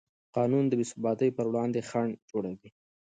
قانون د بېثباتۍ پر وړاندې خنډ جوړوي.